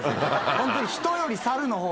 ホントに。